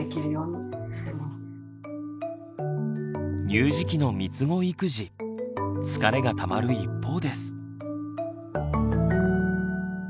乳児期のみつご育児疲れがたまる一方です。